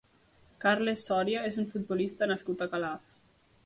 Carles Soria és un futbolista nascut a Calaf.